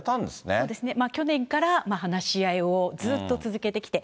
そうですね、去年から話し合いをずっと続けてきて。